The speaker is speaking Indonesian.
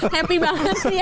happy banget sih ya kita ya